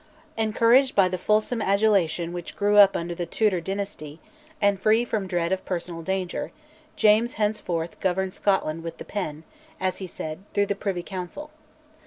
Encouraged by the fulsome adulation which grew up under the Tudor dynasty, and free from dread of personal danger, James henceforth governed Scotland "with the pen," as he said, through the Privy Council.